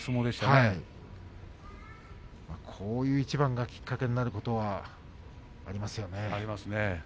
こういう一番がきっかけになるといいですよね。